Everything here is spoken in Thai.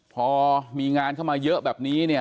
พอมีงานเข้ามาเยอะแบบนี้เนี่ย